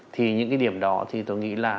thì những cái điểm đó thì tôi nghĩ là